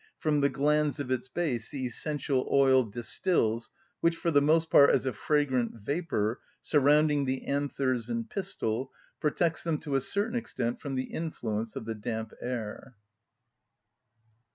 from the glands of its base the essential oil distils which, for the most part as a fragrant vapour, surrounding the anthers and pistil, protects them to a certain extent from the influence of the damp air.